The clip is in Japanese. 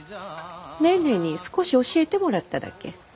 ネーネーに少し教えてもらっただけ。